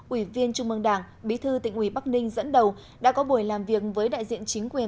ủy viên trung mương đảng bí thư tỉnh ủy bắc ninh dẫn đầu đã có buổi làm việc với đại diện chính quyền